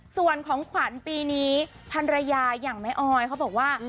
ส่วนของขวัญปีนี้พันรยาอย่างแม่ออยเขาบอกว่า